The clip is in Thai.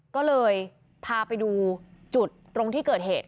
ก็เลยพาไปดูจุดตรงที่เกิดเหตุ